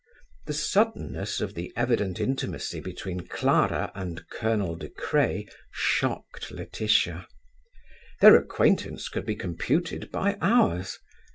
The suddenness of the evident intimacy between Clara and Colonel De Craye shocked Laetitia; their acquaintance could be computed by hours.